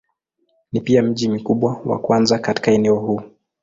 Ni pia mji mkubwa wa kwanza katika eneo huu.